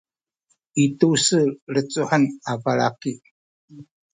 i tu-se tu lecuhen a balaki